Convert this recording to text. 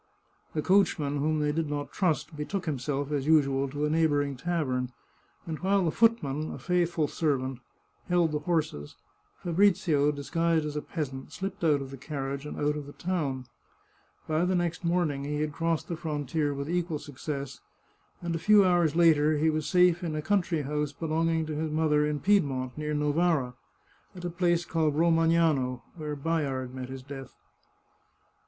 The coachman, whom they did not trust, betook himself, as usual, to a neighbouring tavern, and while the footman, a faithful servant, held the horses, Fabrizio, disguised as a peasant, slipped out of the carriage and out of the town. By the next morning he had crossed the frontier with equal success, and a few hours later he was safe in a country house belonging to his mother in Piedmont, near Novara, at a place called Romagnano, where Bayard met his death.